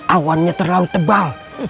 awannya terlalu tebal